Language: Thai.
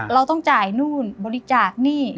เราต้องจ่ายนู่นบริจาคหนี้